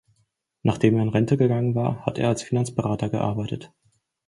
Nachdem er in Rente gegangen war, hat er als Finanzberater gearbeitet.